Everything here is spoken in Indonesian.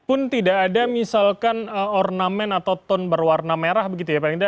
pun tidak ada misalkan ornamen atau tone berwarna merah begitu ya paling tidak